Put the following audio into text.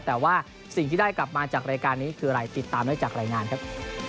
แต่ว่าสิ่งที่ได้กลับมาจากรายการนี้คืออะไรติดตามได้จากรายงานครับ